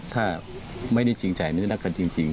ถ้าไม่ได้จริงแล้วจะหนักกันจริง